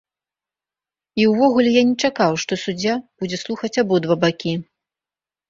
І ўвогуле, я не чакаў, што суддзя будзе слухаць абодва бакі.